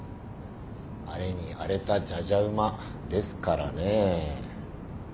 荒れに荒れたじゃじゃ馬ですからねえ。